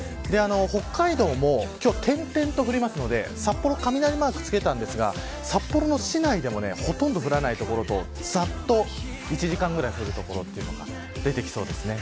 北海道も今日は点々と降るので札幌に雷マークをつけましたが札幌の市内でもほとんど降らない所と１時間ぐらい降る所が出てきそうです。